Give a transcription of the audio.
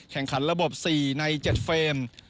แข่งขันระบบ๔ใน๗เฟรม